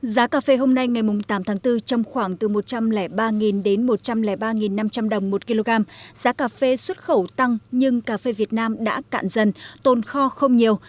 giá cà phê hôm nay ngày tám tháng bốn trong khoảng từ một trăm linh ba đến một trăm linh ba năm trăm linh đồng một kg giá cà phê xuất khẩu tăng nhưng cà phê việt nam đã cạn dần tồn kho không nhiều